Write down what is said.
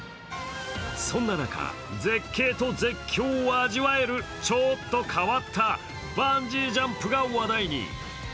そんな中、絶景と絶叫を味わえるちょっと変わったバンジージャンプが話題に！